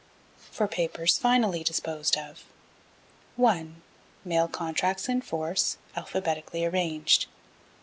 For Papers finally disposed of. 1. Mail Contracts in force alphabetically arranged.